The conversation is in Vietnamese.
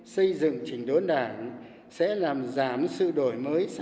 xây dựng trình đốn đảng sẽ làm giảm sự đổi mới